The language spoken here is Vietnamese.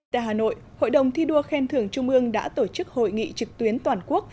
tại hà nội hội đồng thi đua khen thưởng trung ương đã tổ chức hội nghị trực tuyến toàn quốc